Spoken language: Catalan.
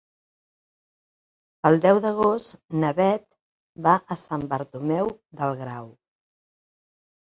El deu d'agost na Beth va a Sant Bartomeu del Grau.